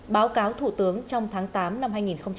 báo cáo thủ tướng trong tháng tám năm hai nghìn một mươi sáu